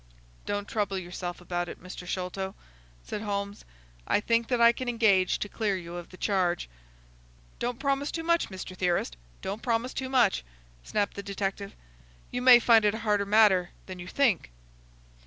"Don't trouble yourself about it, Mr. Sholto," said Holmes. "I think that I can engage to clear you of the charge." "Don't promise too much, Mr. Theorist,—don't promise too much!" snapped the detective. "You may find it a harder matter than you think."